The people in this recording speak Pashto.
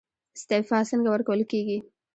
استعفا څنګه ورکول کیږي؟